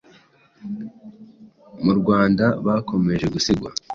mu Rwanda bakomeje gusigwa.